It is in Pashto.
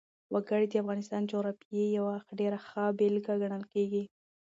وګړي د افغانستان د جغرافیې یوه ډېره ښه بېلګه ګڼل کېږي.